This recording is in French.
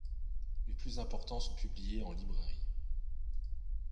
Les plus importants sont publiés en librairie.